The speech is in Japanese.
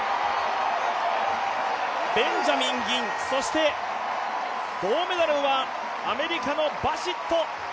ベンジャミン銀、そして銅メダルはアメリカのバシット。